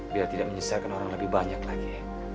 biar tidak menyesalkan orang lebih banyak lagi